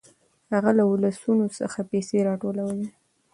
هغه له ولسونو څخه پيسې راټولولې.